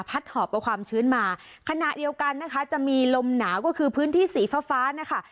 หอบกับความชื้นมาขณะเดียวกันนะคะจะมีลมหนาวก็คือพื้นที่สีฟ้าฟ้านะคะ